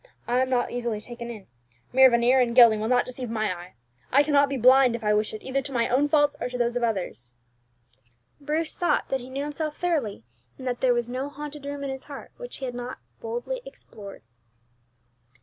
I am not easily taken in; mere veneer and gilding will not deceive my eye. I cannot be blind, if I wish it, either to my own faults or to those of others." Bruce thought that he knew himself thoroughly, and that there was no haunted room in his heart which he had not boldly explored.